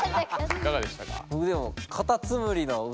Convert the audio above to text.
いかがでしたか？